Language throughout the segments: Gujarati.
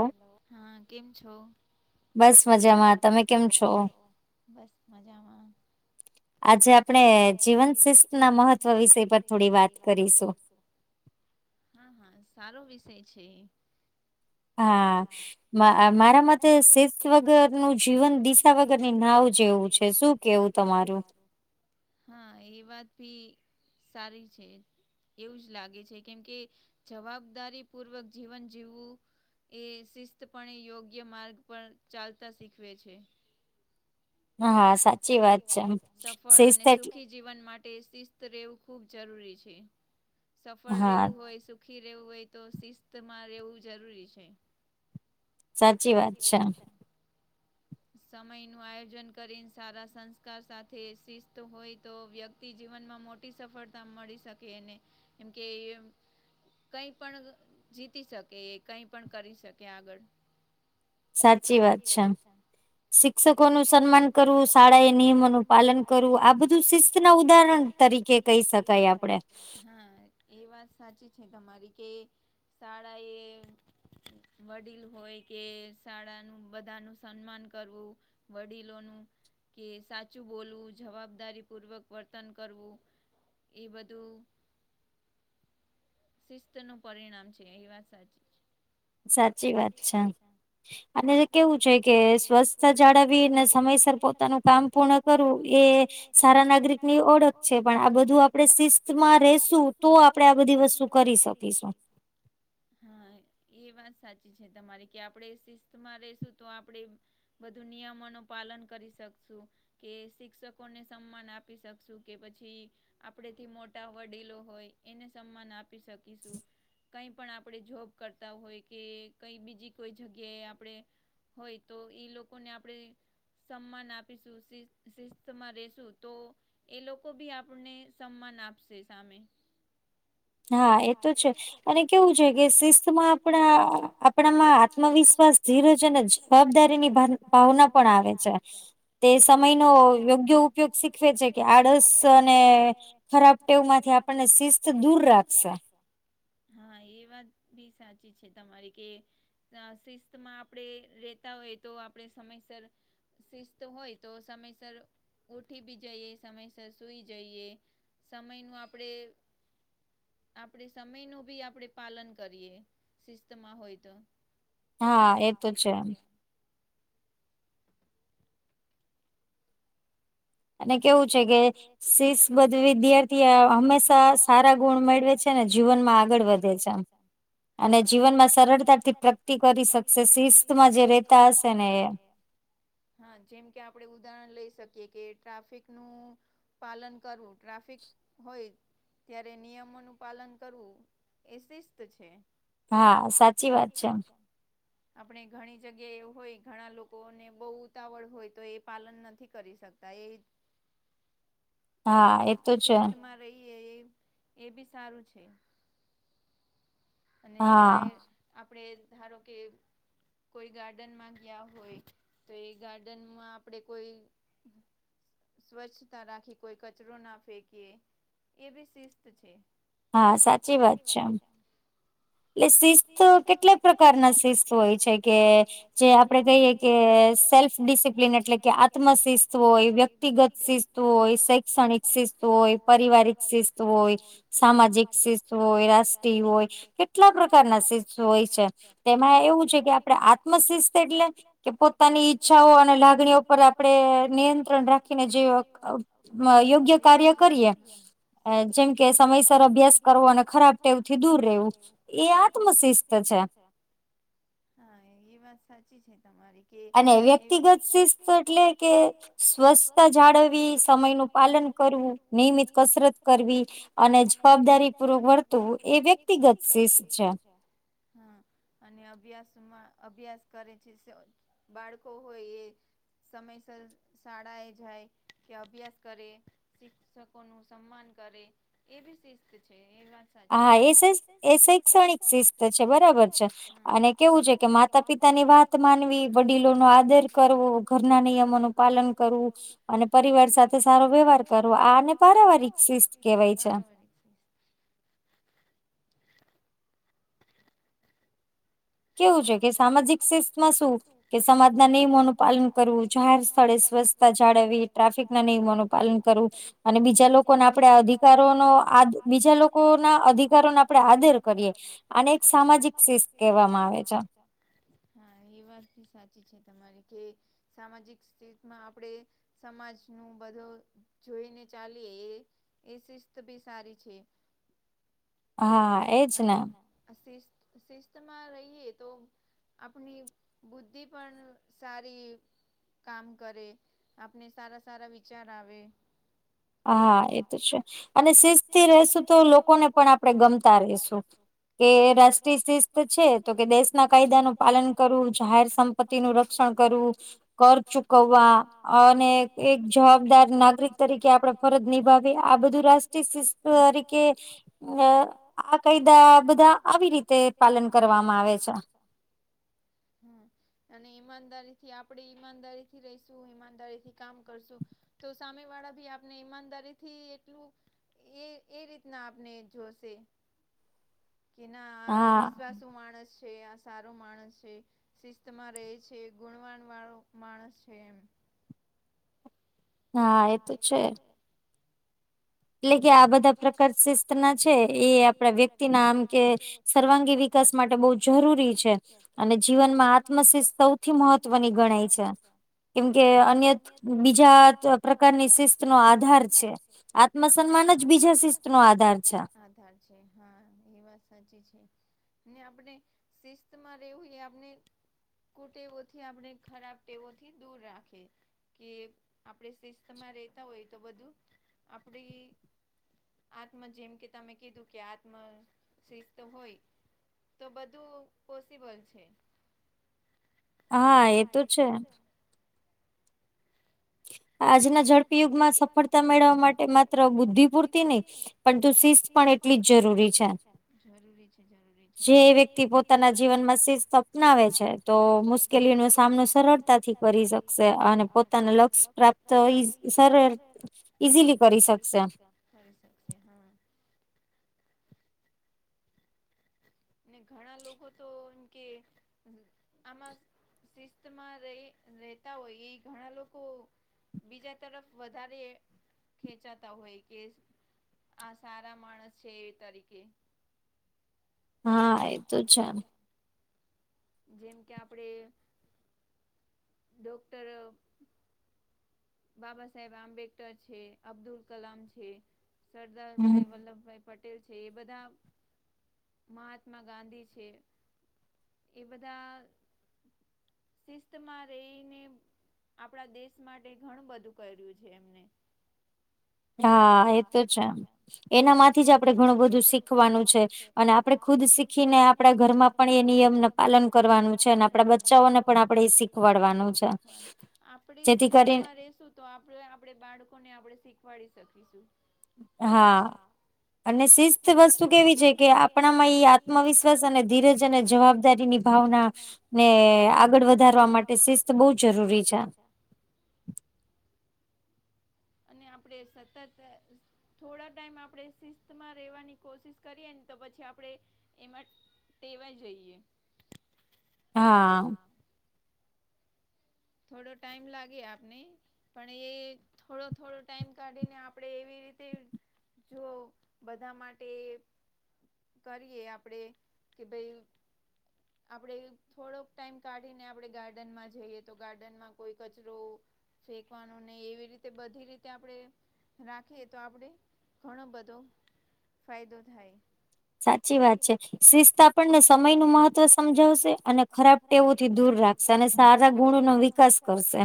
હેલો હા કેમ છો. બસ મજામાં તમે કેમ છો બસ મજામાં. આજે આપણે જીવન શિસ્ત ના મહત્વ વિષય પર થોડી વાત કરીશું. [inaudible] હા હા સારો વિષય છે. હા મારા માટેતે સે વગરનું જીવન દિશા વગરની નાવ જેવ હા એ વાત ભી સારી છે એવું જ લાગે છે કેમકે જવાબદારી પૂર્વક જીવન જીવવું એ શિસ્તપણે યોગ્ય માર્ગ પર ચાલતા શીખવે છે હા સાચી વાત છે સફળ અને સુખી જીવન માટે શિસ્ત રહેવું ખૂબ જરૂરી છે સફળ રહેવું હોય સુખી રહેવું હોય તો શિસ્તમાં રહેવું જરૂરી છે સાચી વાત છે સમયનું આયોજન કરીને સારા સંસ્કાર સાથે શિસ્ત હોય તો વ્યક્તિ થી જીવનમાં મોટી સફળતા મળી શકે એને એમકે કઈ પણ જીતી શકે એ કઈ પણ કરી શકે આગળ સાચી વાત છે આમ શિક્ષકો નું સન્માન કરવું શાળા એ નિયમોનું પાલન કરવું આ બધું શિસ્ત ના ઉદાહરણ તરીકે કે કહી શકાય આપડે એ વાત સાચી છે તમારી કે શાળા એ વડલ હોય કે શાળાનુંું બધા ન સન્માન કરવું વડીલોનું કે સાચું બોલવું જવાબદારીપૂર્વક વર્તન કરવું એ બધું શિસ્ત નું પરિણામ છે એ વાત સાચી સાચી વાત છે અને કેવું છે કે સ્વચ્છતા જાળવીને સમયસર પોતાનું કામ પૂર્ણ કરવું એ સારા નાગરિક ની ઓળખ છે પણ આ બધું આપડણે શિસ્તમાં રશું તો આપણે આ બધી વસ્તુ કરી શકીશું હા એ વાત સાચી છે તમારી કે આપણે શિસ્તમાં રશું તો આપણેે બુ નિયમો ન પાલન કરી શકશું કે શિક્ષકોને સન્માન આપી શકશું કે પછી આપણેથી મોટા વડીલો હોય એને સન્માન આપી શકીશું કઈ પણ આપણે જોબ કરતા હોય કે કઈ બીજી કોઈ જગ્યાએ આપણે હોય તો ઈ લોકોને આપણેે સન્માન આપીશું શિસ્તમાં રશું તો એ લોકો ભી આપને સમાન આપશે સામે હા એ તો છે અને કેવું છે કે શિસ્તમાં આપણા આપણામાં આત્મવિશ્વાસ ધીરોજ અને જવાબદારીની ભાવના પણ આવે છે તે સમયનો યોગ્ય ઉપગ શીખવે છે કે આળસ અને ખરાબ ટેવ માંથી આપણને શિસ્ત દૂર રાખે હા એ વાત ભી સાચી છે તમારી કે શિસ્તમાં આપણે રેતા હોય તો આપણે સમયસર શિસ્ત હોય તો સમયસર ઉઠી બી જઈએ સમયસર સુઈ જઈએ સમયનું આપણે આપણેે સમય ન ભી આપણે પાલન કરીએ શિસ્તમાં હોય તો હા એ તો છે અને કેવું છે કે શી્ષ બધ વિદ્યાર્થી હંમેશા સારા ગુણ મેળવે છે છે ને જીવનમાં આગળ વધે છે આમ અને જીવનમાં સરળતાથી પ્રગતિ કરી શકશે શિસ્તમાં જે રહેેતા હશે ને એ [inaudible] હા જેમ કે આપડણે ઉદાહરણ લઇ શકીએ કે ટ્રાફિકનું પાલન કરવું ટ્રાફિક હોય ત્યારે નિયમોનું પાલન કરવું એ શિસ્ત છે હા સાચી વાત છે એમ આપણે ઘણી જગ્યાએ એ હોય ઘણા લોકોને બહુ ઉતાવળ હોય તો એ પાલન નથી કરી શકતા ત એ રહીએ એ બી સારું છે અને જાય આપડે ધારો કે કોઈ ગાર્ડન માં ગયા હોય તો એ ગાર્ડનમાં આપણે કોઈ [inaudible] સ્વચ્છતા રાખી કોઈ કચરો ના ફેંકીએ એ બી શિસ્ત છે હા સાચી વાત છે આમ એટલે શિસ્ત કેટલા પ્રકારના શિસ્ત હોય છે કે જે આપણે કહીએ કે સેલ્ફ ડિસિપ્લિન એટલે કે આત્મશિસ્ત હોય વ્યક્તિગત શિસ્ત હોય શૈક્ષણિક શિસ્ત હોય પારિવારિક શિસ્ત હોય સામાજિક શિસ્ત હોય રાષ્ટ્રીય હોય કે કે પ્રકારના શિસ્ હોય છે તેમાં એવું છે કે આપણે આત્મશિસ્ત એટલે પોતાની ઈચ્છાઓ અને લાગણીઓ પર આપણેે નિયંત્રણ રાખીને જે યોગ્ય કાર્ય કરીએ જેમ કે સમયસર અભ્યાસ કરવો અને ખરાબ ટેવ થી દૂર રહેવું એ આત્મશિસ્ત છે હા એ વાત સાચી છે તમારી અને વ્યક્તિગત શિસ્ત એટલે કે સ્વચછતા જાળવવી સમય નું પાલન નિયમિત કસરત કરવી અને જવાબદારી પૂ વર્ત વ્યક્તિગત શિષ હા અને અભ્યાસમાં અભ્યાસ કરે છે બાળકો હોય એ સમયસર શાળા એ જાય કે અભ્યાસ કરે શિક્ષકો નું સન્માન કરે એ બી શિસ્ત છે એ વાત હા એ એસ શૈક્ષણિક શિસ્ત છે બરાબર છે અને કેવું છે કે માતા પિતાની વાત માનવી વડીલો નો આદર કરવું ઘરના નિયમો નું પાલન કરવું અને પરિવાર સાથે સારો વ્યવહાર કરવો આ અને પારાવાર વિક કેવાય છે કરી [inaudible] [inaudible] કેવું છે કે સામાજિક શત્રમાં શું કે સમાજના નિયમોનું પાલન કરવું જાહેર સ્થળે સ્ જાળવવી ટ્રાફિક ના નિયમોનું પાલન કરવું અને બીજા લોકોને આપણે અધિકારોનો આ બીજા લોકો ના અધિકારોને આપણે આદર કરીએ અને એક સામાજિક હા એ વાતી સાચી છે તમારી કે સામાજિક સ્થિતમાં આપણેે સમાજ નું બધો જોઈને ચાલી એ એ શિસ્ત બી સારી છે [inaudible] હા અને શ શ રહીએ તો આપણી બુદ્ધિ પણ સારી કામ કરે આપને સારા સારા વિચાર આવે હા એ તો છે અને સિસ થી રશું તો લોકોને પણ આપણે ગમતા રશું હ રસ્ છે તો કે દેશના કાયદા નું પાલન કરવું જાહેર સંપત્તિ નું રક્ષણ કરવું ઘ ચુકવવા અને એક જવાબદાર નાગરિક તરીકે આપણેે ફરજ નિભાવીએ આ બધું રાષ્ટ્રીય શસ્ત તરીકે આ કાયદા બધા આવી રીતે પાલન કરવામાં આવે છે હમ અને ઈમાનદારી થી આપણેે ઈમાનદારી થી રહીશું ઈમાનદારીથી કામ કરશું તો સામે વાળા ભી આપને ઈમાનદારી થી એટલું એ એ રીતના આપને જોશે કે ના આ વિશ્વાસું માણસ છે આ સારો માણસ છે શિસ્તમાં રહે છે ગુણવાન વાળો માણસ છે એમ હા એ તો છે એટલે કે આ બધા પ્રકાર શિસ્ત ના છે એ આપડા વ્યક્તિ ના આમ કે સર્વાંગી વિકાસ માટે બહુ જરૂરી છે અને જીવનમાં આત્મશ સૌ સથી મહત્વની ગણાય છે કેમ કે અન્ય બીજા પ્રકારની શિસ્ત નો આધાર છે મસલમાન જ બીજા શિસ્ત નો આધાર છે હા એ વાત સાચી છે ને આપણે શિસ્ત માં રહેવું એ આપને કુટેવોથી આપણે ખરાબ ટેવોથી દૂર રાખે કે આપણે શિસ્તમાં રહેતા હોય તો બધું ફ્રી આત્મ જેમ કે તમે કીધું કે આત્મ શિસ્ત હોય તો બધું પોસિબલ છે હા એ તો છે આજના ઝડપી યુગમાં સફળતા મેળવવા માટે માત્ર બુદ્ધિ પૂરતી નહી પરંતુ શિસ્ત પણ એટલી જ જરૂરી છે જે એ વ્યક્તિ પોતાના જીવનમાં શિસ્ત અપનાવે છે તો મુશ્કેલી નો સામનો સરળતા જ કરી શકશે અને પોતાના લક્ષ્ય પ્રાપ્ત તો ઈ સર ઇઝીલી કરી શકશે કરી શકશે હા ને ઘણા લોકો તો કે આમાં શિસ્તમાં ર રહેતા હોય એ ઘણા લોકો બીજા તરફ વધારે ખેંચાતા હોય કે આ સારા માણસ છે એ તરીકે હા એ તો છે જેમ કે આપણે ડોક્ટર બાબા સાહેબ આંબેડકર છે અબ્દુલ કલામ છે સરદારભાઈ વલ્લભભાઈ પટેલ છે એ બધા મહાત્મા ગાંધી છે એ બધા શિસ્તમાં રહીને આપણા દેશ માટે એ ઘણું બધું કર્યું છે એમને હા એ તો છે એમ એનામાંથી જ આપડે ઘણું બધું શીખવાનું છે અને આપડે ખુદ શીખીને આપડા ઘરમાં પણ એ નિયમને પાલન કરવાનું છે આપડા બચ્ચાઓને [inaudible] આપણે શિસ્તમાં રહેશુ તો આપણે આપણેે બાળકોને આપણે શીખવાડી શકીશું હા અને શિસ્ત વસ્તુ કેવી છે કે આપણામાં એ આત્મવિશ્વાસ અને ધીરજ અને જવાબદારીની ભાવના ને આગળ વધારવા માટે શિસ્ત બહુ જરૂરી છે અને આપણેે સતત થોડા ટાઈમ આપણે શિસ્તમાં રહેેવાની કોશિશ કરીએ ને તો પછી આપણે એમાં ટેવાઇ જઈએ હા થોડો ટાઈમ લાગે આપને પણ એ થોડો થોડો ટાઈમ કાઢીને આપણે એવી રીતે જો બધા માટે કરીએ આપણેે કે ભાઈ આપણે થોડોક ટાઈમ કાઢીને આપણે ગાર્ડનમાં જઈએ તો ગાર્ડનમાં કોઈ કચરો ફેકવાનું ને એવી રીતે બધી રીતે આપડણે રાખીએ તો આપણે ઘણો બધો ફાયદો થાય સાચી વાત છે શિસ્ત આપણને સમય નું મહત્વ સમજાવશે અને ખરાબ તેવથી દૂર રાખશે અને સારા ગુણ નો વિકાસ કરશે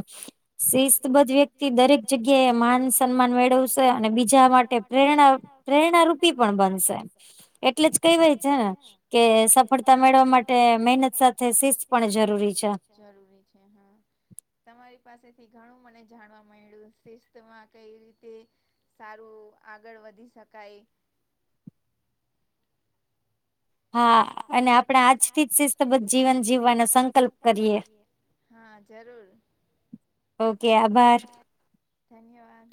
શિસ્ત બ વ્ય થી દરેક જગ્યાએ માન સન્માન મેળવશે અને બીજા માટે પ્રેરણા પ્રેરણા રૂપી પણ બનશે એટલે જ કહેવાય છે કે સફળતા મેળવા માટે મહેનત સાથે શિસ્ત પણ જરૂરી છે જરૂરી છે હા તમારી પાસેથી ઘણું મને જાણવા મળ્યું શિસ્તમાં કઈ રીતે સારું આગળ વધી શકાય હા અને આપણે આજથી જ શિસ્તબદ્ધ જીવન જીવવાનો સંકલ્પ કરીએ હા જરૂર ઓકે આબાર ધન્યવાદ